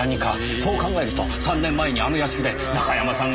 そう考えると３年前にあの屋敷で中山さんが自殺したのも。